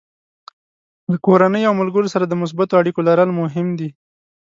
له کورنۍ او ملګرو سره د مثبتو اړیکو لرل مهم دي.